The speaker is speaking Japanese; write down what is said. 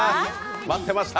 待ってました！